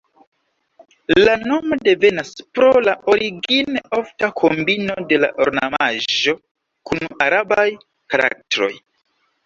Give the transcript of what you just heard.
La nomo devenas pro la origine ofta kombino de la ornamaĵo kun arabaj karaktroj.